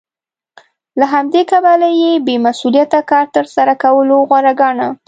له همدې کبله یې بې مسوولیته کار تر سره کولو غوره ګاڼه